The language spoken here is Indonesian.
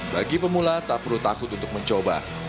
bagi pemula tak perlu takut untuk mencoba